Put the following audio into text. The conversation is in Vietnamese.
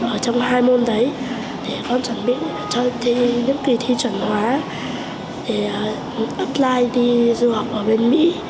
ở trong hai môn đấy để có chuẩn bị cho những kỳ thi chuẩn hóa để apply đi du học ở bên mỹ